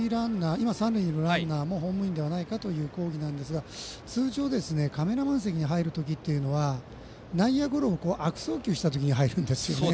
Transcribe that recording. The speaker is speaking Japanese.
今、三塁にいるランナーもホームインではないかという抗議なんですが通常、カメラマン席に入る時は、内野ゴロを悪送球したときに入るんですね。